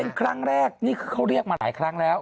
เป็นครั้งแรกนี่คือเขาเรียกมาหลายครั้งแล้ว